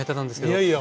いやいや。